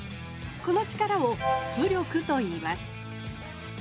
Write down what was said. この力を浮力といいます。